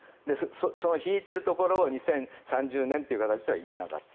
その引いているところを２０３０年という形では言えなかった。